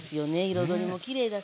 彩りもきれいだし。